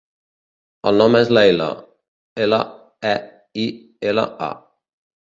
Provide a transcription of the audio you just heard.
El nom és Leila: ela, e, i, ela, a.